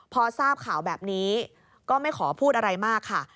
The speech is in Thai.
พอทราบข่าวแบบนี้ก็ไม่ขอพูดอะไรมากค่ะ